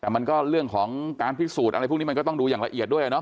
แต่มันก็เรื่องของการพิสูจน์อะไรพวกนี้มันก็ต้องดูอย่างละเอียดด้วยเนอ